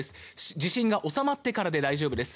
地震が収まってからで大丈夫です。